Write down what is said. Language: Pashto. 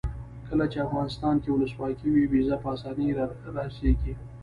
کله چې افغانستان کې ولسواکي وي ویزه په اسانۍ راسیږي.